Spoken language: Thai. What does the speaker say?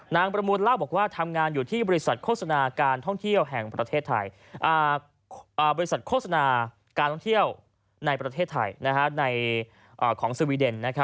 นางประมูลลากบอกว่าทำงานอยู่ที่บริษัทโฆษณาการท่องเที่ยวของสวีเดน